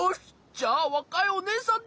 じゃあわかいおねえさんで！